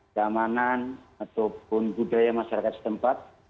keamanan ataupun budaya masyarakat setempat